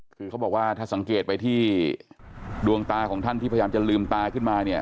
คือเขาบอกว่าถ้าสังเกตไปที่ดวงตาของท่านที่พยายามจะลืมตาขึ้นมาเนี่ย